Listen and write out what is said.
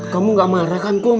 kamu nggak marah kan kum